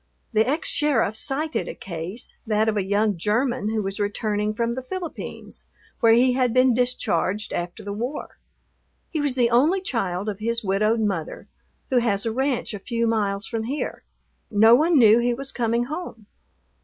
The ex sheriff cited a case, that of a young German who was returning from the Philippines, where he had been discharged after the war. He was the only child of his widowed mother, who has a ranch a few miles from here. No one knew he was coming home.